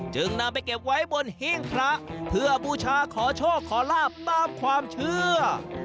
จึงนำไปเก็บไว้บนหิ้งพระเพื่อบูชาขอโชคขอลาบตามความเชื่อ